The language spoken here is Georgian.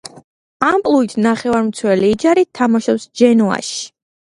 ამპლუით ნახევარმცველი, იჯარით თამაშობს ჯენოაში.